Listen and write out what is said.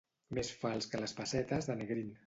Més fals que les pessetes de Negrín.